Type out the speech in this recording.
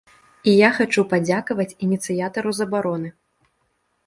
І я хачу падзякаваць ініцыятару забароны.